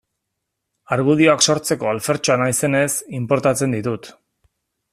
Argudioak sortzeko alfertxoa naizenez, inportatzen ditut.